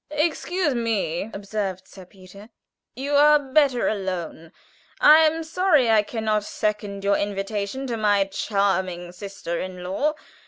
"Excuse me," observed Sir Peter, "you are better alone. I am sorry I can not second your invitation to my charming sister in law.